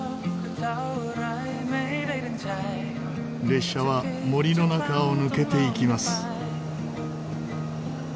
列車は森の中を抜けていきます。